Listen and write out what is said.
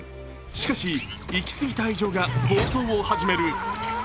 しかし、行き過ぎた愛情が暴走を始める。